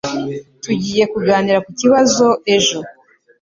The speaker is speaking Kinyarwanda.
Tugiye kuganira ku kibazo ejo